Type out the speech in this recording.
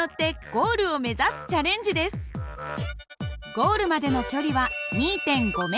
ゴールまでの距離は２．５ｍ。